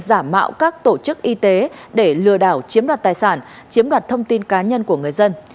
giả mạo các tổ chức y tế để lừa đảo chiếm đoạt tài sản chiếm đoạt thông tin cá nhân của người dân